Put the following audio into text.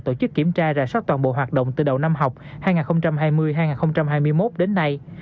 tổ chức kiểm tra rà soát toàn bộ hoạt động từ đầu năm học hai nghìn hai mươi hai nghìn hai mươi một đến nay